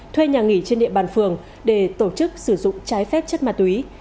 thuê nhà nghỉ trên địa bàn phường để tổ chức sử dụng trái phép chất ma túy